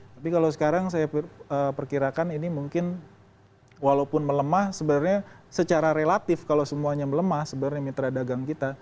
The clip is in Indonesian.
tapi kalau sekarang saya perkirakan ini mungkin walaupun melemah sebenarnya secara relatif kalau semuanya melemah sebenarnya mitra dagang kita